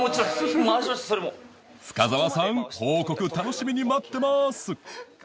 深澤さん報告楽しみに待ってます